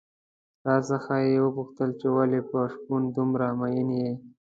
راڅخه یې وپوښتل چې ولې پر شپون دومره مين يې؟